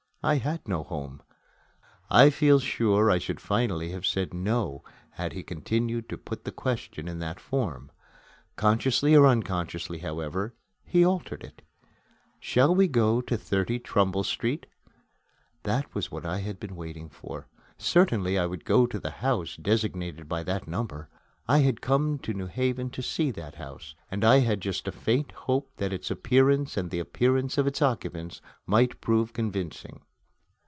I had no home. I feel sure I should finally have said, "No", had he continued to put the question in that form. Consciously or unconsciously, however, he altered it. "Shall we go to 30 Trumbull Street?" That was what I had been waiting for. Certainly I would go to the house designated by that number. I had come to New Haven to see that house; and I had just a faint hope that its appearance and the appearance of its occupants might prove convincing.